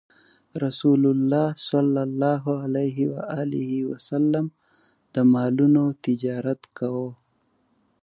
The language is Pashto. رسول الله ﷺ د مالونو تجارت کاوه.